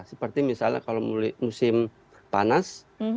seperti misalnya kalau musim panas